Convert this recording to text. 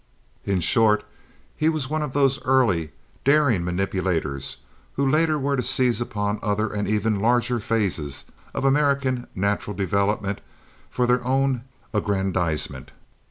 In short, he was one of those early, daring manipulators who later were to seize upon other and ever larger phases of American natural development for their own aggrandizement.